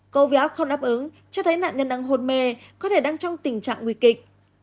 câu vie ốc không đáp ứng cho thấy nạn nhân đang hôn mê có thể đang trong tình trạng nguy kịch